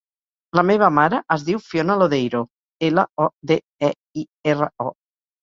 La meva mare es diu Fiona Lodeiro: ela, o, de, e, i, erra, o.